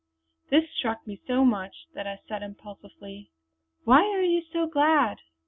This struck me so much that I said impulsively: "Why are you so glad?"